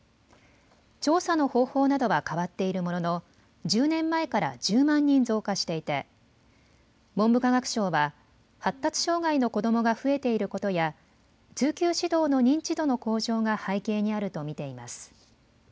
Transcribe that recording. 調査の方法などは変わっているものの１０年前から１０万人増加していて文部科学省は発達障害の子どもが増えていることや通級指導の認知度の向上が背景にあると見ています。